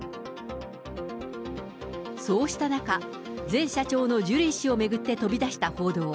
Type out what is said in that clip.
そうした中、前社長のジュリー氏を巡って飛び出した報道。